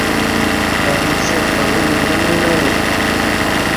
ⴰⵔ ⵉⵣⵣⴰⴳ ⴼⴰⴹⵉⵍ ⵍⴰⵢⵍⴰ ⵎⴰ ⵉⵍⴰ ⵢⵉⴹ.